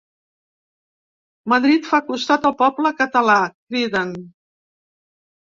Madrid fa costat al poble català, criden.